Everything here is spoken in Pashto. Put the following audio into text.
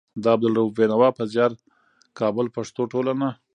د عبدالروف بېنوا په زيار. کابل: پښتو ټولنه